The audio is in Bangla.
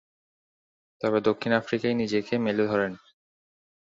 তবে, দক্ষিণ আফ্রিকায় নিজেকে মেলে ধরেন।